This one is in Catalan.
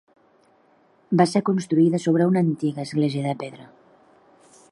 Va ser construïda sobre una antiga església de pedra.